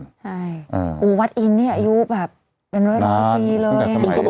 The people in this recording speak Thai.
กูวัดอินทร์เนี่ยอายุแบบเป็นร้อยปีเลย